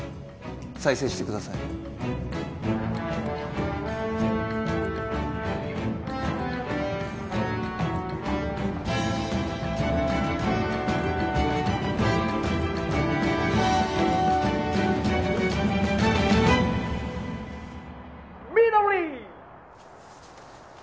再生してください緑！